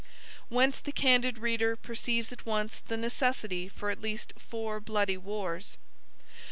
Whence the candid reader perceives at once the necessity for at least four bloody wars.